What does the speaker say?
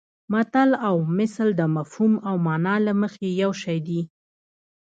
متل او مثل د مفهوم او مانا له مخې یو شی دي